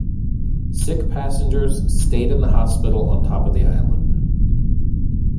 Sick passengers stayed in the hospital on top of the island.